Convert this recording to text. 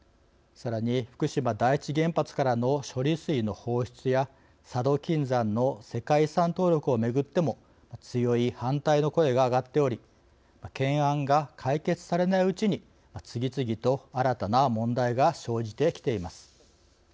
さらに福島第一原発からの処理水の放出や、佐渡金山の世界遺産登録をめぐっても強い反対の声が上がっており懸案が解決されないうちに次々と新たな問題が生じてきています。